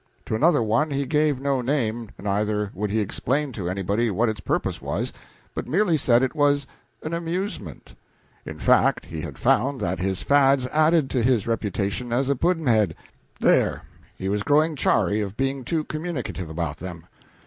To another one he gave no name, neither would he explain to anybody what its purpose was, but merely said it was an amusement. In fact he had found that his fads added to his reputation as a pudd'nhead; therefore he was growing chary of being too communicative about them.